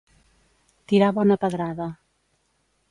Tirar bona pedrada.